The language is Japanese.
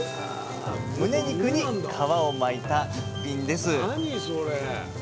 むね肉に皮を巻いた逸品です。